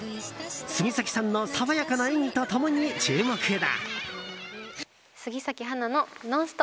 杉咲さんの爽やかな演技と共に注目だ。